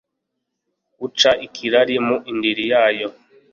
uca ikirari mu ndiri yayo